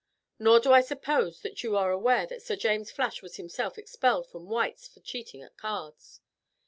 Nor do I suppose that you are aware that Sir James Flash was himself expelled from White's for cheating at cards."